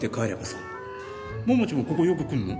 桃地もここよく来るの？